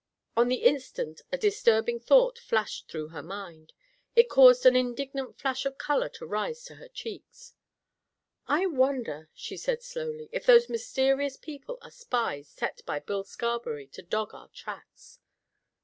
On the instant a disturbing thought flashed through her mind. It caused an indignant flash of color to rise to her cheek. "I wonder," she said slowly, "if those mysterious people are spies set by Bill Scarberry to dog our tracks?"